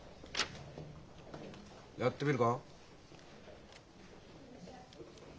やってみるか？